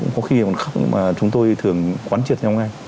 có khi còn khóc mà chúng tôi thường quán triệt nhau ngay